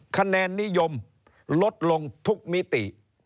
คะแนนนิยมลดลงทุกมิติ